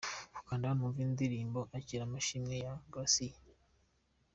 Kanda hano wumve indirimbo 'Akira amashimwe' ya Gracien.